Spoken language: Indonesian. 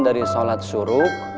dari sholat suruk